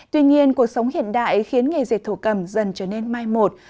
tuy nhiên cuộc sống hiện đại khiến nghề dệt thổ cầm dần trở nên mai một